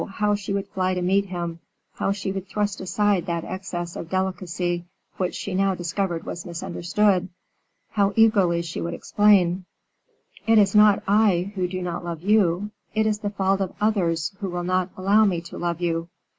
how she would fly to meet him; how she would thrust aside that excess of delicacy which she now discovered was misunderstood; how eagerly she would explain: "It is not I who do not love you it is the fault of others who will not allow me to love you."